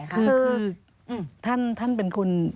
คือท่านเป็นคน